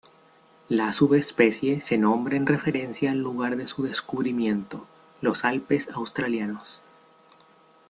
La subespecie se nombra en referencia al lugar de su descubrimiento, los Alpes Australianos.